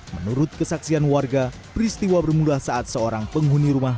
menurut kesaksian warga peristiwa bermula saat seorang penghuni rumah